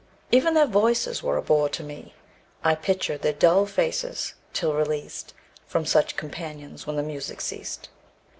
Even their voices were a bore to me; I pictured their dull faces, till released From such companions, when the music ceased.